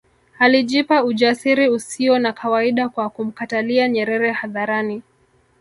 Alijipa ujasiri usio wa kawaida kwa kumkatalia Nyerere hadharani